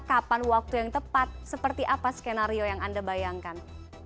kapan waktu yang tepat seperti apa skenario yang anda bayangkan